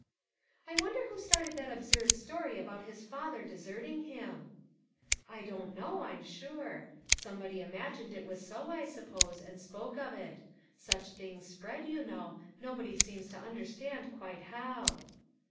"I wonder who started that absurd story about his father deserting him ?"" I don't know, I'm sure ; somebody imagined it was so, I suppose, and spoke of it ; such things spread, you know, nobody seems to un derstand quite how."